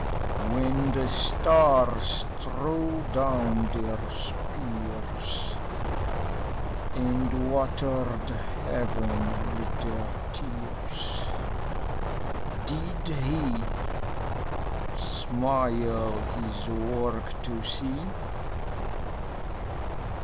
When the stars threw down their spears, And watered heaven with their tears, Did he smile his work to see?